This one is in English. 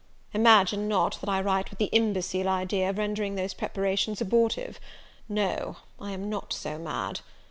"Imagine not that I write with the imbecile idea of rendering those preparations abortive. No, I am not so mad.